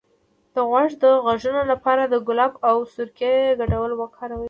د غوږ د غږونو لپاره د ګلاب او سرکې ګډول وکاروئ